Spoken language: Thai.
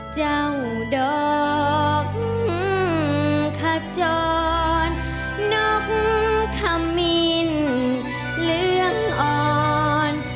เจ้าดอกขจรนกขมินเหลืองอ่อน